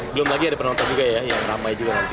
belum lagi ada penonton juga ya yang ramai juga nanti